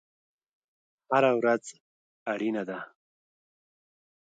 هره ورځ اړینه ده